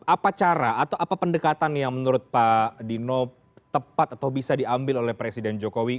apa cara atau apa pendekatan yang menurut pak dino tepat atau bisa diambil oleh presiden jokowi